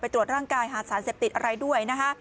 ตรวจร่างกายหาสารเสพติดอะไรด้วยนะคะ